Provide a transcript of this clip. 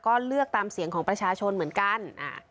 ก็เลือกตามเสียงของประชาชนเหมือนกัน